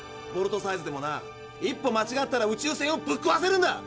ボルトサイズでもな一歩まちがったら宇宙船をぶっこわせるんだ！